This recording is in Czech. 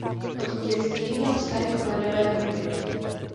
Od dětství měl vztah k lidové hudbě.